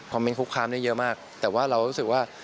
ความเม้นคุกคำได้เยอะมากแต่ว่าเรารู้สึกว่า